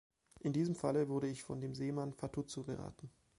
In diesem Falle wurde ich von dem Seemann Fatuzzo beraten.